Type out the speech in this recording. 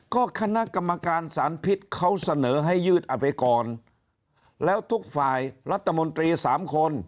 ก็คณะกรรมการสารพิษเขาเสนอให้ยืดเอาไปก่อนแล้วทุกฝ่ายรัฐมนตรีสามคน